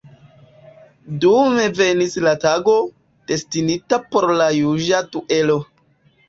Dume venis la tago, destinita por la juĝa duelo.